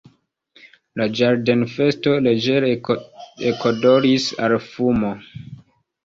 La ĝardenfesto leĝere ekodoris al fumo.